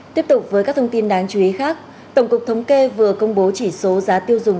tiếp tục với các thông tin đáng chú ý khác tổng cục thống kê vừa công bố chỉ số giá tiêu dùng